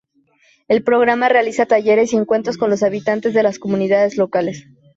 El programa realiza talleres y encuentros con los habitantes de las comunidades locales.